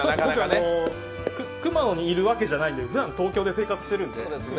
僕、熊野にいるわけじゃないので、ふだんは東京で生活してるんで。